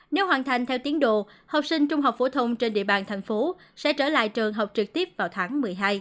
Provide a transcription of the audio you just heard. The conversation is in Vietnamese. nếu hoàn thành theo tiến độ học sinh trung học phổ thông trên địa bàn thành phố sẽ trở lại trường học trực tiếp vào tháng một mươi hai